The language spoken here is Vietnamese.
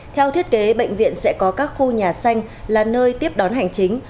theo thiết kế bệnh viện sẽ có các khu nhà xanh là nơi tiếp đón hành chính